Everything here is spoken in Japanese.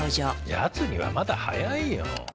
やつにはまだ早いよ。